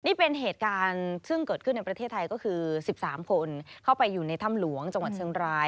นี่เป็นเหตุการณ์ซึ่งเกิดขึ้นในประเทศไทยก็คือ๑๓คนเข้าไปอยู่ในถ้ำหลวงจังหวัดเชียงราย